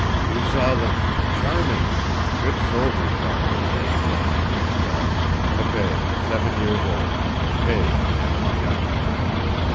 "You saw them. Charming! good soldiers are Jose, Juan, and Miquele! Pepe, seven year old; Pepe can handle a gun."